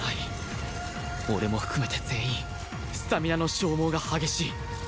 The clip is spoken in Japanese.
俺も含めて全員スタミナの消耗が激しい